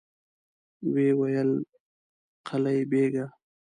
ويې ويل: قلي بېګه!